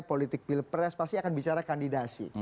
politik pilpres pasti akan bicara kandidasi